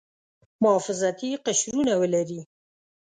محافظتي قشرونه ولري.